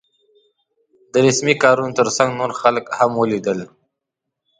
د رسمي کارونو تر څنګ نور خلک هم ولیدل.